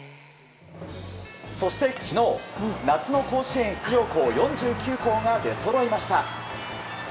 そして昨日夏の甲子園出場校４９校が出そろいました。